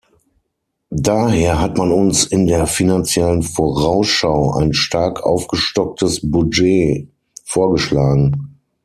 Daher hat man uns in der Finanziellen Vorausschau ein stark aufgestocktes Budget vorgeschlagen.